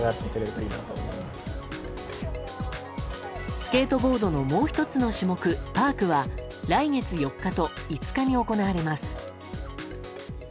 スケートボードのもう１つの種目、パークは来月４日と５日に行われます。